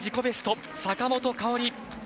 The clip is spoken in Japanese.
ベスト坂本花織！